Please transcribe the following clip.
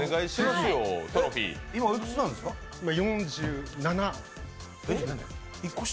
今４７。